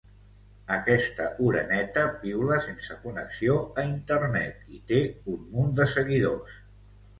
Aquesta oreneta piula sense connexió a internet i té un munt de seguidors.